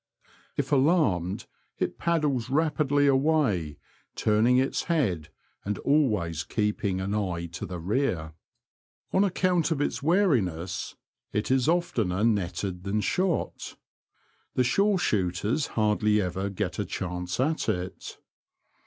If alarmed it paddles rapidly away, turning its head, and always keeping an eye to the rear. On account of its wariness it is oftener netted than shot. The shore shooters hardly ever get a chance at it.